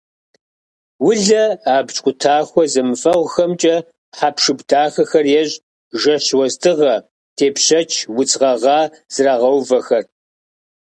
Улэ абдж къутахуэ зэмыфэгъухэмкӏэ хэпшып дахэхэр ещӏ: жэщ уэздыгъэ, тепщэч, удз гъэгъа зрагъэувэхэр.